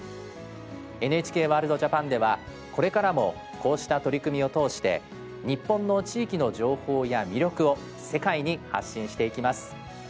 ＮＨＫワールドＪＡＰＡＮではこれからもこうした取り組みを通して日本の地域の情報や魅力を世界に発信していきます。